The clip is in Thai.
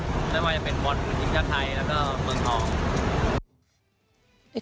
ไม่ว่าจะเป็นบอลทีมชาติไทยแล้วก็เมืองทอง